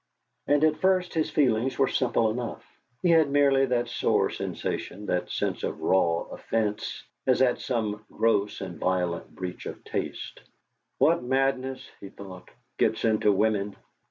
And at first his feelings were simple enough; he had merely that sore sensation, that sense of raw offence, as at some gross and violent breach of taste. '.hat madness,' he thought, 'gets into women!